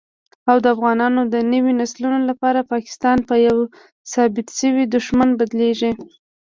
او دافغانانو دنويو نسلونو لپاره پاکستان په يوه ثابت شوي دښمن بدليږي